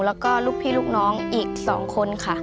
แล้วก็ลูกพี่ลูกน้องอีก๒คนค่ะ